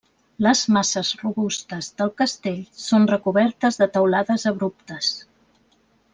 Les masses robustes del castell són recobertes de teulades abruptes.